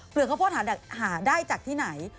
เปลือกข้าวโพสหาได้จากที่ไหน